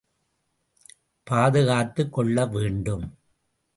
பாதுகாத்துக் கொள்ள வேண்டும்.